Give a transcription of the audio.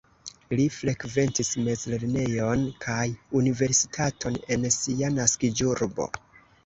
Li frekventis mezlernejon kaj universitaton en sia naskiĝurbo.